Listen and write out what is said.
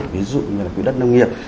ví dụ như là quỹ đất nông nghiệp